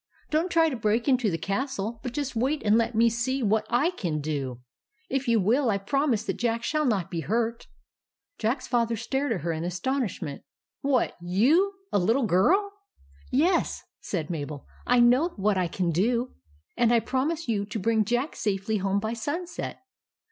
Don't try to break into the castle, but just wait and let me see what / can do. If you will, I promise you that Jack shall not be hurt." THE RESCUE OF JACK 211 Jack's Father stared at her in astonish ment. " What you ? A little girl T " Yes," said Mabel. " I know what I can do; and I promise you to bring Jack safely home by sunset.